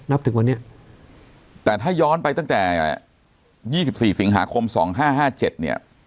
ถึงวันนี้แต่ถ้าย้อนไปตั้งแต่๒๔สิงหาคม๒๕๕๗เนี่ย